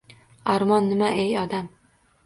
— Armon nima, ey odam?